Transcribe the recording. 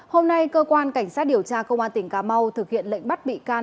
hôm nay cơ quan cảnh sát điều tra công an tỉnh cà mau thực hiện lệnh bắt bị can